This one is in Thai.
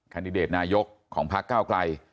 ขณีเดทนายกของพระกลัย